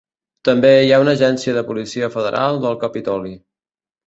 També hi ha una agència de policia federal del capitoli.